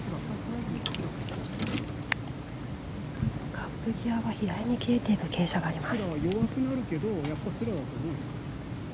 カップ際は左に切れている傾斜があります。